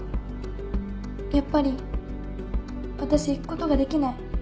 やっぱり私行くことができない